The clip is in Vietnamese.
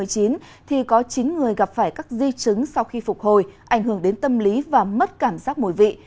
thì có chín người gặp phải các di chứng sau khi phục hồi ảnh hưởng đến tâm lý và mất cảm giác mùi vị